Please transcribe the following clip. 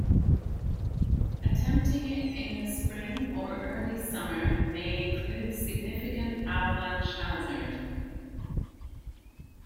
Attempting it in the spring or early summer may include significant avalanche hazard.